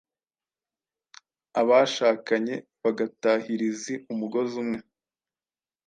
abashakanye bagatahiriza umugozi umwe.